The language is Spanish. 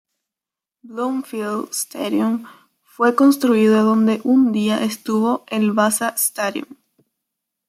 Bloomfield Stadium fue construido donde un día estuvo el Basa Stadium.